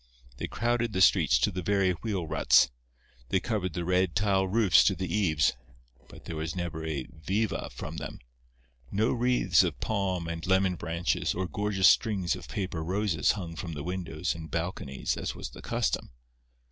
They crowded the streets to the very wheel ruts; they covered the red tile roofs to the eaves, but there was never a "viva" from them. No wreaths of palm and lemon branches or gorgeous strings of paper roses hung from the windows and balconies as was the custom.